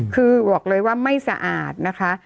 คือบอกเลยว่าไม่สะอาดนะคะ